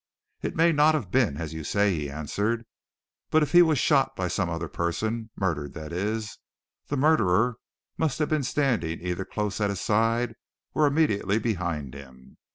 "It may not have been as you say," he answered. "But if he was shot by some other person murdered, that is the murderer must have been standing either close at his side, or immediately behind him.